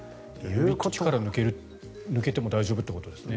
力が抜けても大丈夫ということですね。